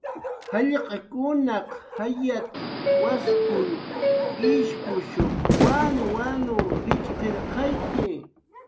"Jallq'kunaq jayat"" waskun ishpushuq wanwanw jitxqirqayki"